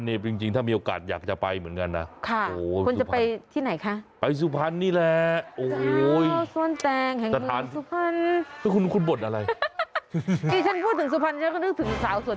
อ๋อเอาคุณผู้ชอบก่อน